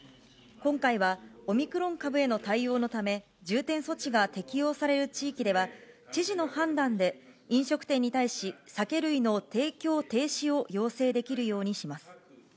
今回は、オミクロン株への対応のため、重点措置が適用される地域では、知事の判断で飲食店に対し、酒類の提供停止を要請できるようにします。